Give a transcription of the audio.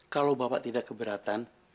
kalau bapak tidak keberatan